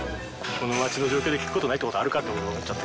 この町の状況で聞くことないってことあるかって思っちゃった。